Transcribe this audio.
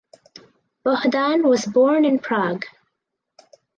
Bohdan was born in Prague.